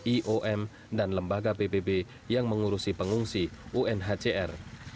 iom dan lembaga pbb yang mengurusi pengungsi unhcr